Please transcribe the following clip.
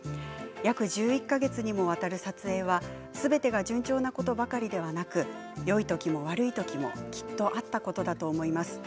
約１１か月にもわたる撮影はすべてが順調なことばかりではなくよい時も悪い時も、きっとあったことだと思います。